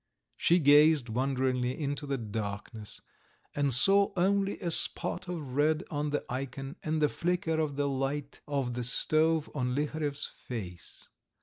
..." She gazed wonderingly into the darkness, and saw only a spot of red on the ikon and the flicker of the light of the stove on Liharev's face.